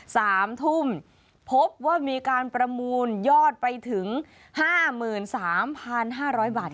วัน๑๓ทุ่มพบว่ามีการประมูลยอดไปถึง๕๓๕๐๐บาท